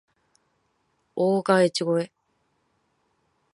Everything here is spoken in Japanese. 大岡越前